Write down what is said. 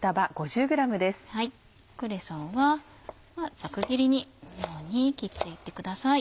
クレソンはざく切りにこのように切っていってください。